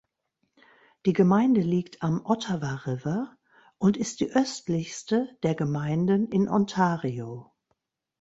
Die Gemeinde liegt am Ottawa River und ist die östlichste der Gemeinden in Ontario.